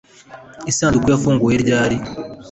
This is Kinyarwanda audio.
Isanduku yafunguwe ryari